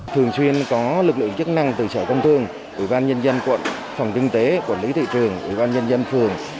thường xuyên có lực lượng chức năng từ sở công thương ủy ban nhân dân quận phòng kinh tế quản lý thị trường ủy ban nhân dân phường